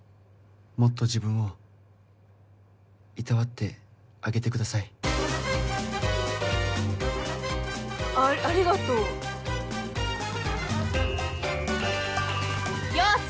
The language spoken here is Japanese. もっと自分をいたわってあげてくださいあありがとうよし！